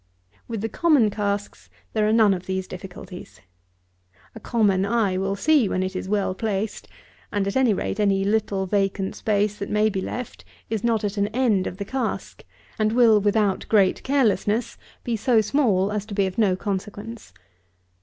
With the common casks there are none of these difficulties. A common eye will see when it is well placed; and, at any rate, any little vacant space that may be left is not at an end of the cask, and will, without great carelessness, be so small as to be of no consequence.